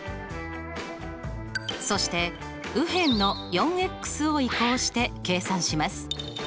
そして右辺の４を移項して計算します。